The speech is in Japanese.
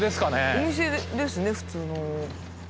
お店ですね普通の。